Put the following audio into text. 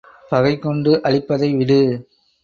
பகை கொண்டு அழிப்பதை விடு.